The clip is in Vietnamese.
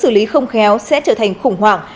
xử lý không khéo sẽ trở thành khủng hoảng